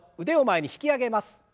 腕を前に引き上げます。